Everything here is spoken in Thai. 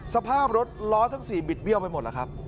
สภาพรถล้อทั้ง๔บิดเบี้ยวไปหมดแล้วครับ